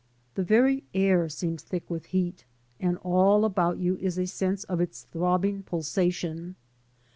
The very air seems thick with heat, and all about you is a sense of its throbbing pulsation.